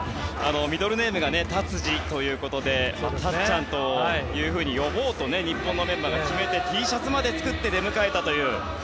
ミドルネームが達治ということでたっちゃんというふうに呼ぼうと日本のメンバーが決めてＴシャツまで作って出迎えたという。